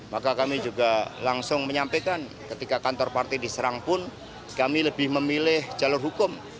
maka kami juga langsung menyampaikan ketika kantor partai diserang pun kami lebih memilih jalur hukum